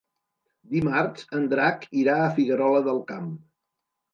Dimarts en Drac irà a Figuerola del Camp.